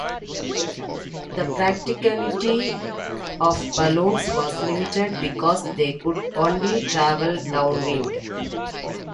The practicality of balloons was limited because they could only travel downwind.